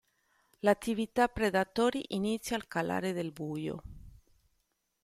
L'attività predatori inizia al calare del buio.